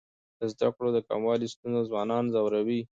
د زده کړو د کموالي ستونزه ځوانان ځوروي.